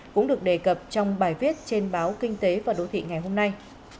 cũng được đề cập trong bài viết trên báo kinh tế và đô thị ngày hôm nay